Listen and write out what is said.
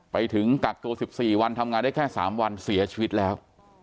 ไปถึงตักโตสิบสี่วันทำงานได้แค่สามวันเสียชีวิตแล้ว